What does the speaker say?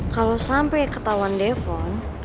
kalo sampe ketauan depon